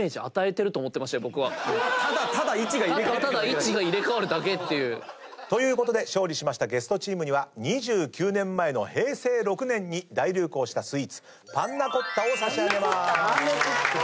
・ただただ位置が入れ替わってただけだから。ということで勝利しましたゲストチームには２９年前の平成６年に大流行したスイーツパンナコッタを差し上げまーす。